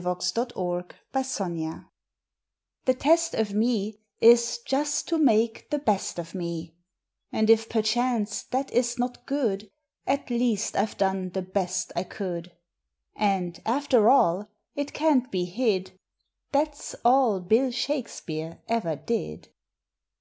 July Sixth THE TEST THE test o me Is just to make the best o me, And if perchance that is not good At least I ve done the best I could, And, after all, it can t be hid, That s all Bill Shakespeare ever did!